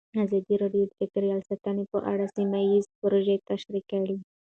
ازادي راډیو د چاپیریال ساتنه په اړه سیمه ییزې پروژې تشریح کړې.